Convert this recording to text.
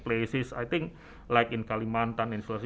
saya pikir seperti di kalimantan di sulawesi